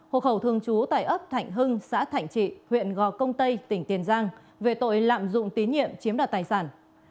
hộ khẩu thương chú tại ấp thạnh hưng xã thạnh trị huyện gò công tây tỉnh tiền giang về tội lạm dụng tín nhiệm chiếm đặt tài sản